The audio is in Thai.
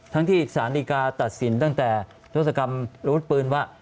ทั้งที่ศาลิกาตัดสินตั้งแต่รัฐกรรมรวดปืนว่า